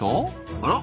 あら！